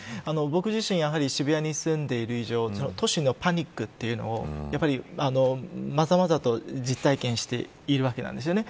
僕自身、渋谷に住んでいる以上都市のパニックというのをまざまざと実体験しているわけなんですよね。